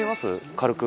軽く。